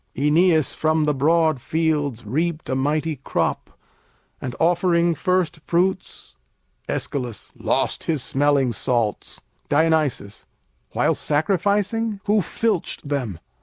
Oeneus from broad fields reaped a mighty crop And offering first fruits Æsch. lost his smelling salts. Dion. While sacrificing? Who filched them?